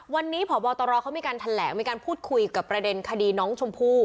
วันนี้พบตรเขามีการแถลงมีการพูดคุยกับประเด็นคดีน้องชมพู่